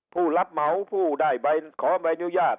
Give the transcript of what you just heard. ผู้รับเหมาผู้ได้ใบขอใบอนุญาต